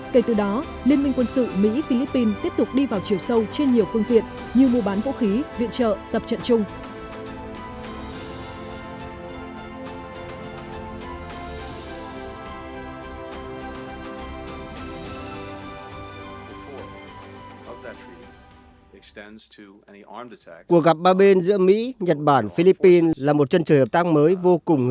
kể từ đó liên minh quân sự mỹ philippine tiếp tục đi vào chiều sâu trên nhiều phương diện như mua bán vũ khí viện trợ tập trận chung